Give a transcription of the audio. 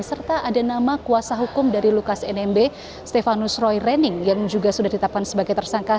serta ada nama kuasa hukum dari lukas nmb stefanus roy rening yang juga sudah ditetapkan sebagai tersangka